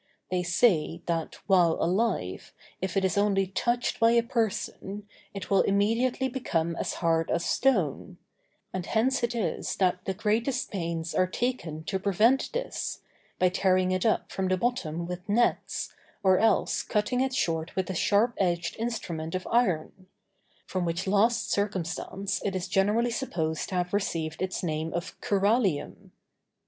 They say that, while alive, if it is only touched by a person, it will immediately become as hard as stone; and hence it is that the greatest pains are taken to prevent this, by tearing it up from the bottom with nets, or else cutting it short with a sharp edged instrument of iron: from which last circumstance it is generally supposed to have received its name of "curalium."